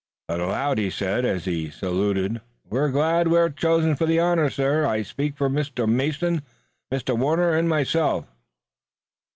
But aloud he said as he saluted: "We're glad we're chosen for the honor, sir. I speak for Mr. Mason, Mr. Warner and myself."